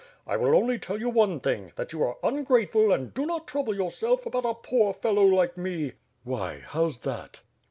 I will only tell you one thing, that you are ungrateful and do not trouble yourself about a poor fellow like me " "Why, how's that?"